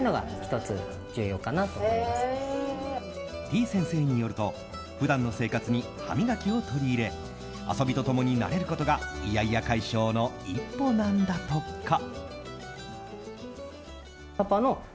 てぃ先生によると普段の生活に歯磨きを取り入れ遊びと共に慣れることがイヤイヤ解消の一歩なんだとか。